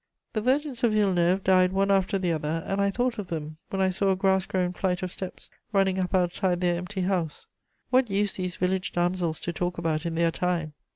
The virgins of Villeneuve died one after the other, and I thought of them when I saw a grass grown flight of steps, running up outside their empty house. What used these village damsels to talk about in their time!